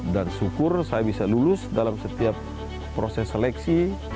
dan syukur saya bisa lulus dalam setiap proses seleksi